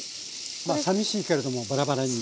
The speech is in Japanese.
まあさみしいけれどもバラバラに。